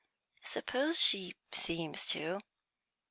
"Suppose she seems to."